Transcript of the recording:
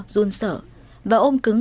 run sợ và ôm cứng